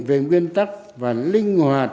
về nguyên tắc và linh hoạt